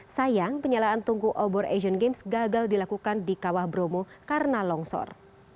sayang penyalaan tungku obor asian games gagal dilakukan di kawah bromo karena longsor